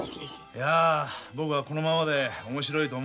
いや僕はこのままで面白いと思うよ。